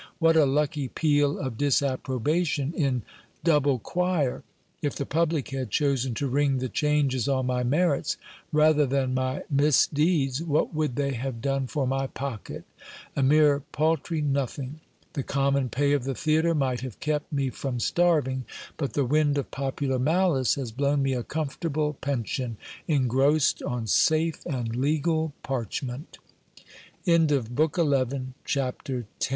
What a lucky peal of disapprobation in double choir ! If the public had chosen to ring the changes on my merits rather than my mis deeds, what would they have done for my pocket? A mere paltry nothing. The common pay of the theatre might have kept me from starving ; but the wind of popular malice has blown me a comfortable pension, engrossed on safe and legal par